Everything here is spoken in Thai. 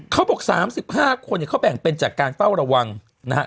เขาบอก๓๕คนเนี่ยเขาแบ่งเป็นจากการเฝ้าระวังนะฮะ